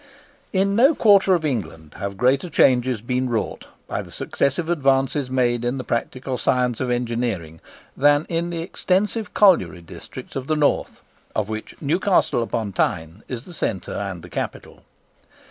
In no quarter of England have greater changes been wrought by the successive advances made in the practical science of engineering than in the extensive colliery districts of the North, of which Newcastle upon Tyne is the centre and the capital.